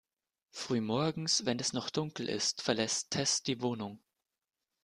Früh morgens, wenn es noch dunkel ist, verlässt Tess die Wohnung.